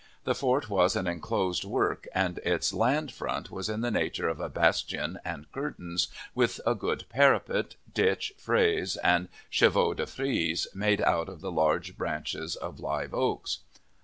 The fort was an inclosed work, and its land front was in the nature of a bastion and curtains, with good parapet, ditch, fraise, and chevaux de frise, made out of the large branches of live oaks.